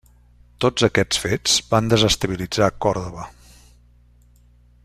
Tots aquests fets van desestabilitzar Còrdova.